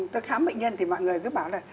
tôi khám bệnh nhân thì mọi người cứ bảo là